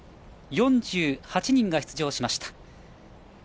４８人が出場しました。